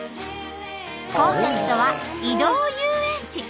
コンセプトは「移動遊園地」。